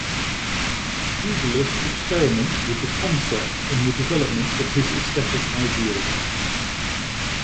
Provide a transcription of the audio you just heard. Dedalus experiments with the concept in the development of his aesthetic ideal.